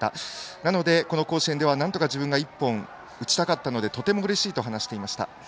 なので、この甲子園では自分がなんとか１本、打ちたかったのでとてもうれしいと話していました。